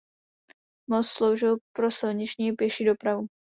Most sloužil pro silniční i pěší dopravu.